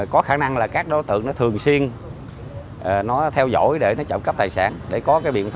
có khả năng là các đối tượng thường xuyên theo dõi để trộm cắp tài sản